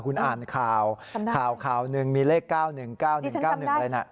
คุณอ่านข่าวข่าวหนึ่งมีเลข๙๑๙๑๙๑อะไรนะ